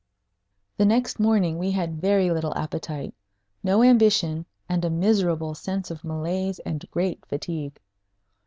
The next morning we had very little appetite, no ambition, and a miserable sense of malaise and great fatigue.